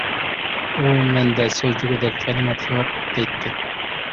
ئۇ: «مەندە سۆزلىگۈدەك تەلىمات يوق» دەيتتى.